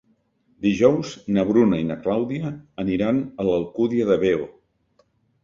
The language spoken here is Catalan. Dijous na Bruna i na Clàudia aniran a l'Alcúdia de Veo.